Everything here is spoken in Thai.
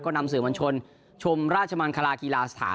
นำสื่อมวลชนชมราชมังคลากีฬาสถาน